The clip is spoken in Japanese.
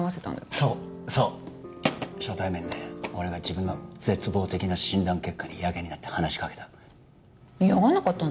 そうそう初対面で俺が自分の絶望的な診断結果にやけになって話しかけた嫌がんなかったの？